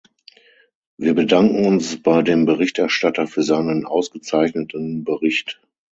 Wir bedanken uns bei dem Berichterstatter für seinen ausgezeichneten Bericht.